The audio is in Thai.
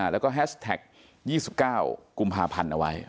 แล้วก็แฮชแท็ก๒๙กุมภาพันธ์เอาไว้